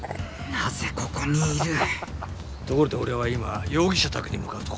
なぜここにいるところで俺は今容疑者宅に向かうところだ。